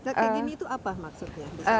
kayak gini itu apa maksudnya